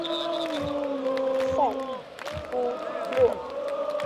萨夫洛。